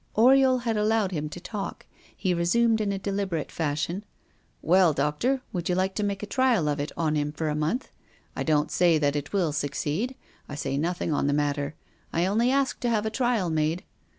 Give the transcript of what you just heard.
Oriol had allowed him to talk; he resumed in a deliberate fashion: "Well, doctor, would you like to make a trial of it on him for a month? I don't say that it will succeed, I say nothing on the matter, I only ask to have a trial made.